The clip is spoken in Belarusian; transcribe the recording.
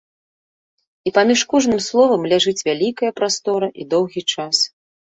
І паміж кожным словам ляжыць вялікая прастора і доўгі час.